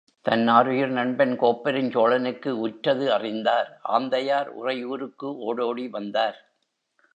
தன் ஆருயிர் நண்பன் கோப்பெருஞ் சோழனுக்கு உற்றது அறிந்தார் ஆந்தையார் உறையூருக்கு ஒடோடி வந்தார்.